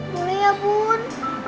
boleh ya bun